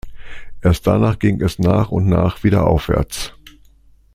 Erst danach ging es nach und nach wieder aufwärts.